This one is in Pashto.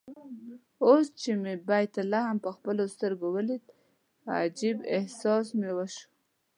اوس چې مې بیت لحم په خپلو سترګو ولید عجيب احساس مې وشو.